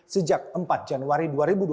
sejak empat januari dua ribu dua puluh